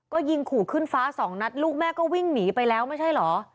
ก็ยิงขู่ขึ้นฟ้าสองนัดลูกแม่ก็วิ่งหนีไปแล้วไม่ใช่เหรอ